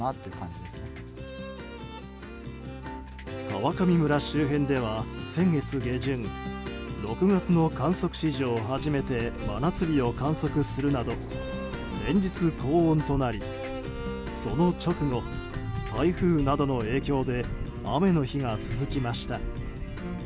川上村周辺では先月下旬６月の観測史上初めて真夏日を観測するなど連日、高温となりその直後、台風などの影響で雨の日が続きました。